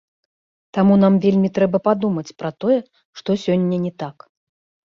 Таму нам вельмі трэба падумаць пра тое, што сёння не так.